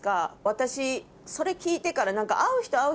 私それ聞いてから何か。